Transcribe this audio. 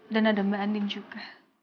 dan ada mbak andin juga